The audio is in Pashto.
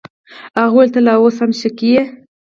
هغه وويل ته لا اوس هم شک کيې.